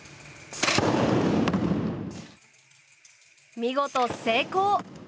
見事成功！